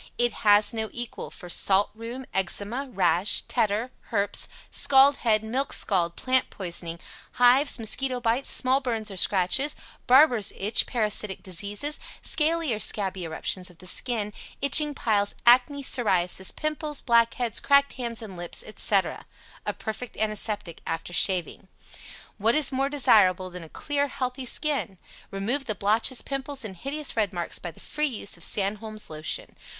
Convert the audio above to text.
IT HAS NO EQUAL for Salt rheum, Eczema, Rash, Tetter (Herps), Scald head, Milk scald, Plant poisoning, Hives, Mosquito bites, Small burns or scratches, Barbers' Itch, Parasitic diseases, Scaly or scabby eruptions of the skin, Itching piles, Acne, Psoriasis, Pimples, Blackheads, Cracked hands and lips, etc. A perfect antiseptic after shaving. WHAT IS MORE DESIRABLE THAN A CLEAR, HEALTHY SKIN? Remove the blotches, Pimples and hideous red marks by the free use of SANDHOLM'S LOTION.